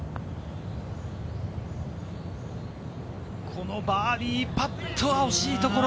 このバーディーパットは惜しいところ。